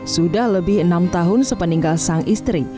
sudah lebih enam tahun sepeninggal sang istri